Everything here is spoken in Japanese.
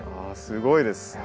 あすごいです。